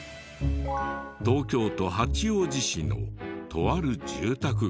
東京都八王子市のとある住宅街。